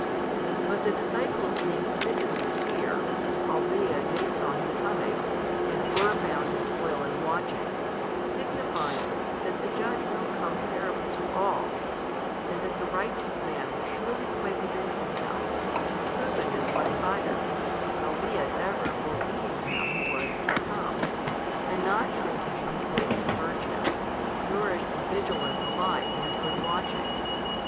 But the |341 disciples being smitten with fear, albeit they saw Him coming, and were found in toil and watching, signifies that the Judge will come terrible to all, and that the righteous man will surely quake within himself, proven as by fire, albeit ever foreseeing Him Who was to come, and not shrinking from toils in virtue, nourished in vigilance alike and good watching.